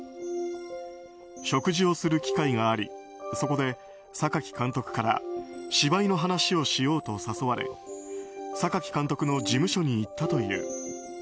食事をする機会がありそこで榊監督から芝居の話をしようと誘われ榊監督の事務所に行ったという。